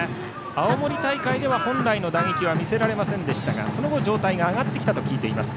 青森大会では本来の打撃は見せられませんでしたがその後、状態が上がったと聞いています。